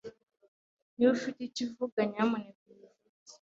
Niba ufite icyo uvuga, nyamuneka ubivuge.